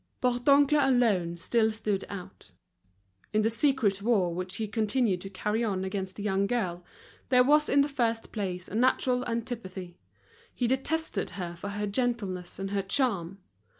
Bourdoncle alone still stood out. In the secret war which he continued to carry on against the young girl, there was in the first place a natural antipathy. He detested her for her gentleness and her charm.